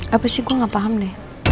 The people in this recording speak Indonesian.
apa sih gue gak paham deh